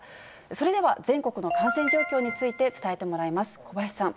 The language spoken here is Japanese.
それでは全国の感染状況について、伝えてもらいます。